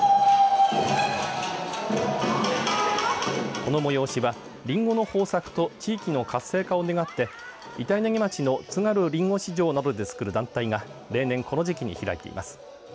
この催しは、りんごの豊作と地域の活性化を願って板柳町の津軽りんご市場などでつくる団体が例年、この時期に開いています。